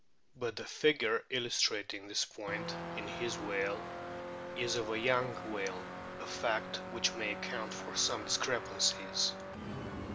But the figure illustrating this point in his whale is of a young whale, a fact which may account for some discrepancies.